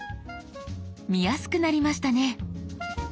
見やすくなりましたね。